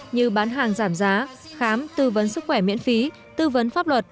như bán hàng giảm giá khám tư vấn sức khỏe miễn phí tư vấn pháp luật